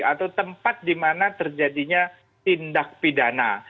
atau tempat dimana terjadinya tindak pidana